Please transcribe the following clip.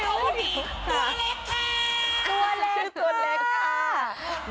น้องตั้งเหลว